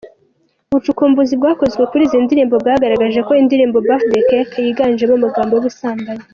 Ubucukumbuzi bwakozwe kuri izi ndirimbo, bwagaragaje ko indirimbo Birthday Cake yiganjemo amagambo y’ubusambanyi.